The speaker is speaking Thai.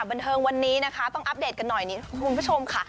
บันเทิงวันนี้นะคะต้องอัปเดตกันหน่อยคุณผู้ชมค่ะ